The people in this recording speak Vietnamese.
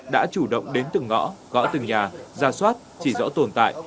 đã chủ động đến từng ngõ gõ từng nhà ra soát chỉ rõ tồn tại